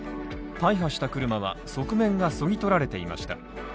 大破した車は、側面が削ぎ取られていました。